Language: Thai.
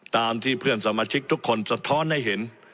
ตามที่เพื่อนสมาชิกทุกคนสะท้อนให้เห็น